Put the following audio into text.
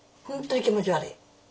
本当に気持ち悪い。